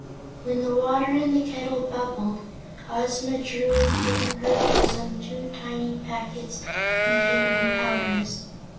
When the water in the kettle bubbled, Ozma drew from her bosom two tiny packets containing powders.